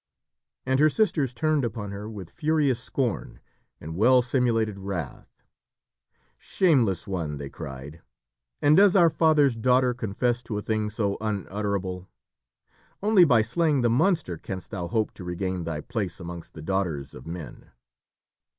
And her sisters turned upon her with furious scorn and well simulated wrath. "Shameless one!" they cried; "and does our father's daughter confess to a thing so unutterable! Only by slaying the monster canst thou hope to regain thy place amongst the daughters of men."